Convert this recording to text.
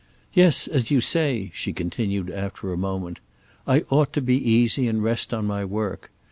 Yes, as you say," she continued after a moment, "I ought to be easy and rest on my work.